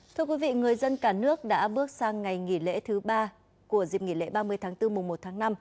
thưa quý vị người dân cả nước đã bước sang ngày nghỉ lễ thứ ba của dịp nghỉ lễ ba mươi tháng bốn mùa một tháng năm